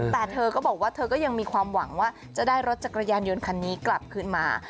แต่เธอก็บอกว่าเธอก็ยังมีความหวังว่าจะได้รถจักรยานยนต์คันนี้กลับขึ้นมา